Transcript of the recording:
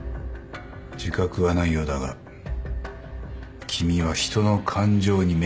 自覚はないようだが君は人の感情に目を向けている。